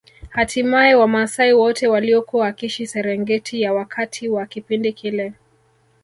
Hatimaye wamaasai wote waliokuwa wakiishi Serengeti ya wakati wa kipindi kile